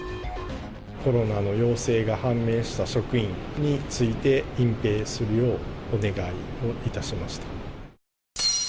コロナの陽性が判明した職員について、隠ぺいするよう、お願いをいたしました。